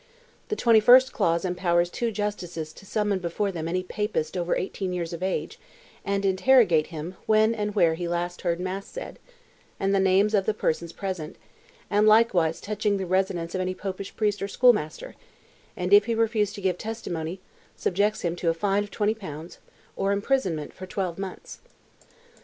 The twenty first clause empowers two justices to summon before them any Papist over eighteen years of age, and interrogate him when and where he last heard mass said, and the names of the persons present, and likewise touching the residence of any Popish priest or schoolmaster; and if he refuse to give testimony, subjects him to a fine of 20 pounds, or imprisonment for twelve months.